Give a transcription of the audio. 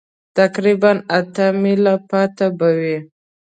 تقریباً اته مېله پاتې به وي.